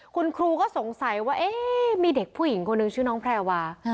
คุณครูก็สงสัยว่ามีเด็กผู้หญิงคนหนึ่งชื่อน้องแพรวา